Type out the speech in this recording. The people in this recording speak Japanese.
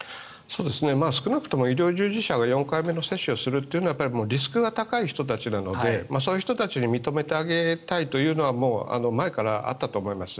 少なくとも医療従事者が４回目の接種をするのはリスクが高い人たちなのでそういう人たちに認めてあげたいというのはもう前からあったと思います。